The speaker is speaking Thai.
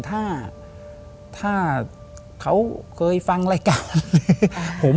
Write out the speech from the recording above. ถ้าเขาเคยฟังรายการผม